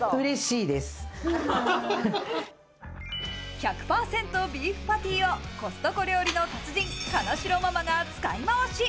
１００％ビーフパティをコストコ料理の達人・金城ママが使いまわし。